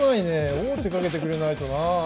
王手かけてくれないとな。